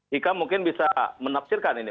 hikam mungkin bisa menafsirkan ini